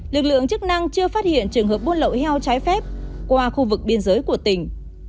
lực lượng chức năng chưa phát hiện trường hợp buôn lậu heo trái phép qua khu vực biên giới của tỉnh